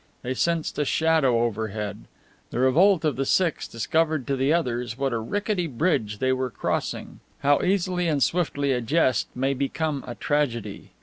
They sensed a shadow overhead. The revolt of the six discovered to the others what a rickety bridge they were crossing, how easily and swiftly a jest may become a tragedy.